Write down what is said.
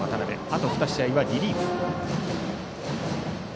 あと２試合はリリーフ。